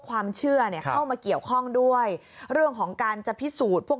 ความเชื่อเนี่ยเข้ามาเกี่ยวข้องด้วยเรื่องของการจะพิสูจน์พวก